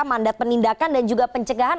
mandat penindakan dan juga pencegahan